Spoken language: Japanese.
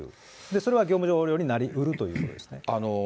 それは業務上横領になりうるということですね。